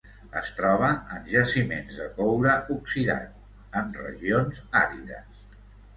Es troba en jaciments de coure oxidat, en regions àrides.